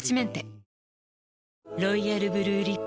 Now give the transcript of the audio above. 「ニベアロイヤルブルーリップ」